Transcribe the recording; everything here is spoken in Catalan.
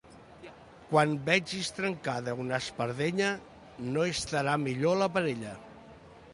Quan vegis trencada una espardenya, no estarà millor la parella.